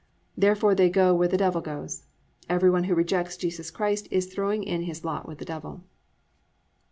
Therefore they go where the Devil goes. Every one who rejects Jesus Christ is throwing in his lot with the Devil.